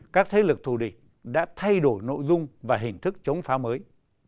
các thế lực thù địch đã thay đổi nội dung và hình thức chống phá mới